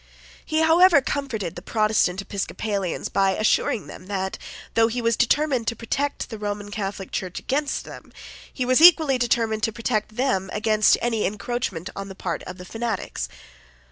He however comforted the Protestant Episcopalians by assuring them that, though he was determined to protect the Roman Catholic Church against them, he was equally determined to protect them against any encroachment on the part of the fanatics.